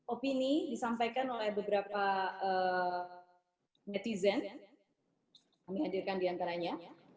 opini disampaikan oleh beberapa netizen kami hadirkan di antaranya